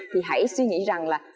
thì hãy suy nghĩ rằng là